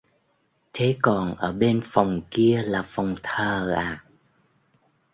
Thế còn ở bên phòng kia là phòng thờ à